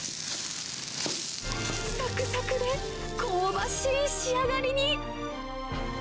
さくさくで香ばしい仕上がりに。